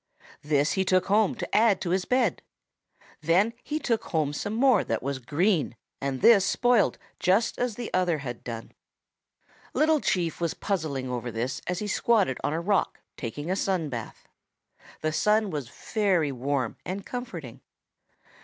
This he took home to add to his bed. Then he took home some more that was green, and this spoiled just as the other had done. "Little Chief was puzzling over this as he squatted on a rock taking a sun bath. The sun was very warm and comforting.